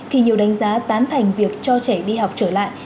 thì nhiều đánh giá tán thành việc cho trẻ đi học trở lại